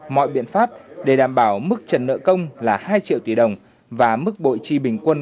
mọi biện pháp để đảm bảo mức trần nợ công là hai triệu tỷ đồng và mức bội chi bình quân